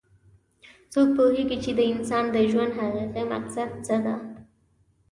څوک پوهیږي چې د انسان د ژوند حقیقي مقصد څه ده